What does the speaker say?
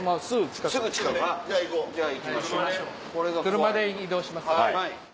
車で移動します。